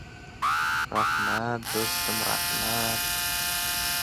— Rahmat, do‘stim, rahmat.